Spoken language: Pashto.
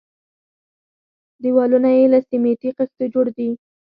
دېوالونه يې له سميټي خښتو جوړ دي.